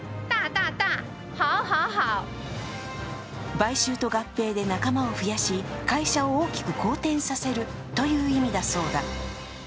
買収と合併で仲間を増やし、会社を大きく好転させるという意味だそうだ。